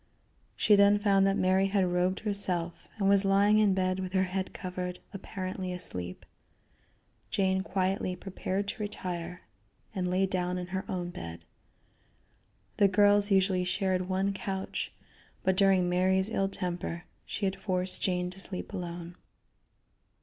She then found that Mary had robed herself and was lying in bed with her head covered, apparently asleep. Jane quietly prepared to retire, and lay down in her own bed. The girls usually shared one couch, but during Mary's ill temper she had forced Jane to sleep alone.